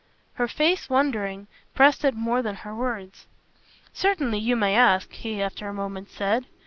Her face, wondering, pressed it more than her words. "Certainly you may ask," he after a moment said.